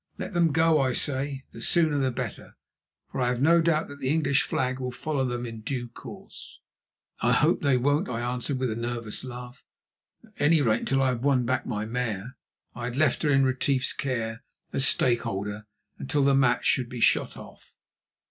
Let them go; I say, the sooner the better, for I have no doubt that the English flag will follow them in due course." "I hope that they won't," I answered with a nervous laugh; "at any rate, until I have won back my mare." (I had left her in Retief's care as stakeholder, until the match should be shot off.)